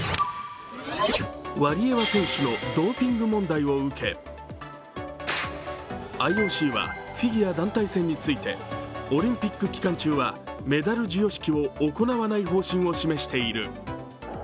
ワリエワ選手のドーピング問題を受けＩＯＣはフィギュア団体戦についてオリンピック期間中はメダル授与式を行わない方針を示している。